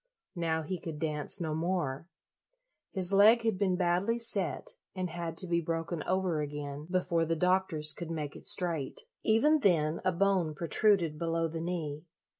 Now he could dance no more. His leg had been badly set and had to be broken over again before the doctors could make it straight. Even then a bone protruded below the knee.